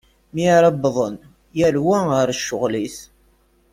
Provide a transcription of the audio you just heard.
Mi ara wwḍen yal wa ɣer ccɣel-is.